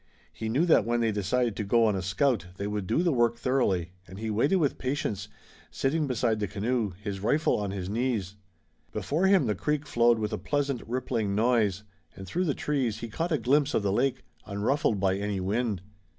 He knew that when they decided to go on a scout they would do the work thoroughly, and he waited with patience, sitting beside the canoe, his rifle on his knees. Before him the creek flowed with a pleasant, rippling noise and through the trees he caught a glimpse of the lake, unruffled by any wind.